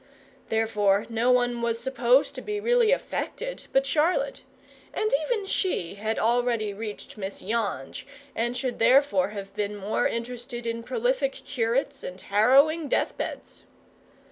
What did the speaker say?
Therefore no one was supposed to be really affected but Charlotte, and even she had already reached Miss Yonge, and should therefore have been more interested in prolific curates and harrowing deathbeds.